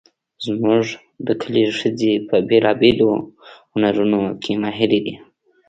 زموږ د کلي ښځې په بیلابیلو هنرونو کې ماهرې دي